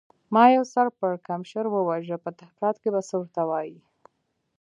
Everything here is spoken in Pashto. ما یو سر پړکمشر و وژه، په تحقیقاتو کې به څه ورته وایې؟